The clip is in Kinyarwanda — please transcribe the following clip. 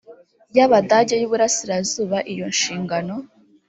y abadage y u burasirazuba iyo nshingano